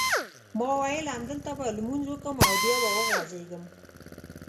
ما وېل همدلته به لمونځ وکړم او بیا به وغځېږم.